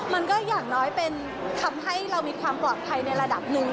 มันก็อย่างน้อยเป็นทำให้เรามีความปลอดภัยในระดับหนึ่ง